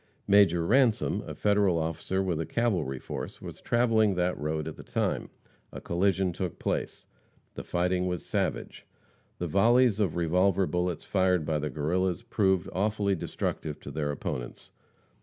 Major Ransom, a Federal officer with a cavalry force, was traveling that road at the time. A collision took place. The fighting was savage. The volleys of revolver bullets fired by the Guerrillas proved awfully destructive to their opponents.